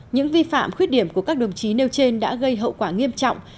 những vi phạm khuyết điểm của các đồng chí nêu trên đã gây hậu quả nghiêm trọng